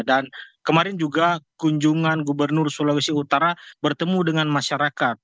dan kemarin juga kunjungan gubernur sulawesi utara bertemu dengan masyarakat